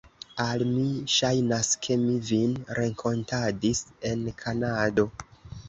Al mi ŝajnas, ke mi vin renkontadis en Kanado.